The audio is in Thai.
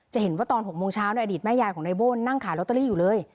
เห็นว่าตอน๖โมงเช้าในอดีตแม่ยายของในโบ้นนั่งขายลอตเตอรี่อยู่เลย